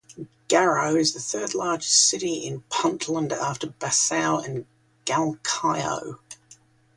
Garowe is the third largest city in Puntland after Bosaso and Galkayo.